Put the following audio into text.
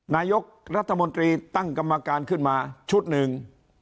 นายกรัฐมนตรีตั้งกรรมการขึ้นมาชุดหนึ่ง